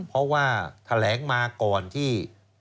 เพราะว่าแถลงมาก่อนที่